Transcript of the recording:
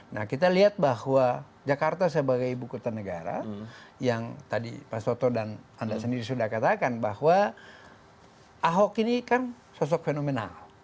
nah kita lihat bahwa jakarta sebagai ibu kota negara yang tadi pak soto dan anda sendiri sudah katakan bahwa ahok ini kan sosok fenomenal